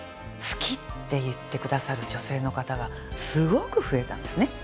「好き」って言って下さる女性の方がすごく増えたんですね。